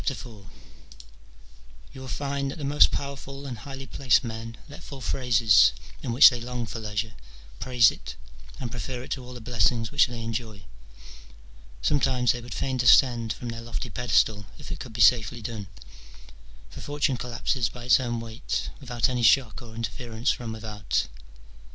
You will find that the most powerful and highly placed men let fall phrases in which they long for leisure, praise it, and prefer it to all the blessings which they enjoy. Sometimes they would fain descend from their lofty pedestal, if it could be safely done : for Fortune collapses by its own weight, without any shock or interference from without.